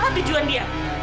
dan apa tujuan dia